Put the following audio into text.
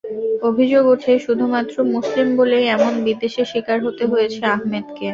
অভিযোগ ওঠে-- শুধুমাত্র মুসলিম বলেই এমন বিদ্বেষের শিকার হতে হয়েছে আহমেদকে।